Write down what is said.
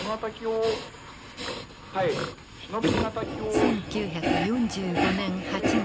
１９４５年８月。